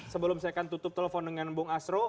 sebelum saya akan tutup telepon dengan bang astro